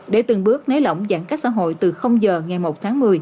để từng bước nới lỏng giãn cách xã hội từ giờ ngày một tháng một mươi